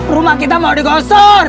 rumah kita mau digosor